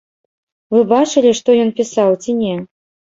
Вы бачылі, што ён пісаў, ці не?